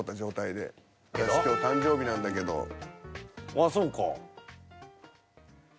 ああそうか。